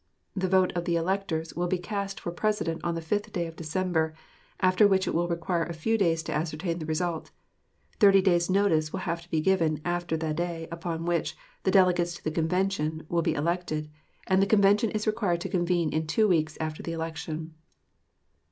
The vote of the electors will be cast for President on the 5th day of December, after which it will require a few days to ascertain the result. Thirty days' notice will have to be given after the day upon which, the delegates to the convention will be elected, and the convention is required to convene in two weeks after the election.